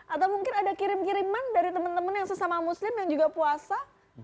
atau mungkin ada kirim kiriman dari teman teman yang sesama muslim yang juga puasa